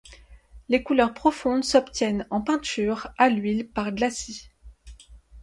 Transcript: Les couleurs profondes s'obtiennent en peinture à l'huile par glacis.